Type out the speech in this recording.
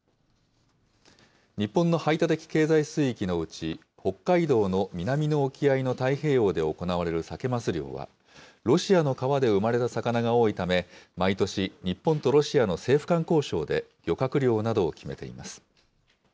日本の排他的経済水域のうち、北海道の南の沖合の太平洋で行われるサケ・マス漁は、ロシアの川で生まれた魚が多いため、毎年、日本とロシアの政府間交渉で漁獲量などを決めています。